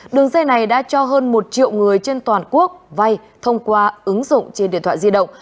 đường dây này đã cho hơn một triệu người trên toàn quốc vay thông qua ứng dụng trên điện thoại di động